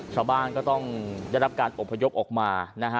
ชาวบ้านก็ต้องยัดรับการกระปุ่นโยกออกมานะฮะ